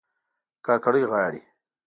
کاکړۍ غاړي